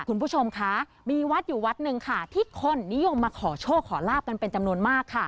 คุณผู้ชมคะมีวัดอยู่วัดหนึ่งค่ะที่คนนิยมมาขอโชคขอลาบกันเป็นจำนวนมากค่ะ